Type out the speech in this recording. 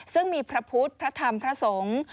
ซึ่งมีพระพุทธพระธรรมพระสงฆ์